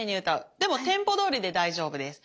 でもテンポどおりで大丈夫です。